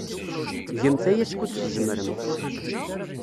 Gemt aya skud tzemremt.